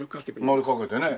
丸描けてね。